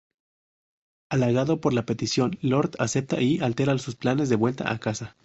Halagado por la petición, Lord acepta y altera sus planes de vuelta a casa.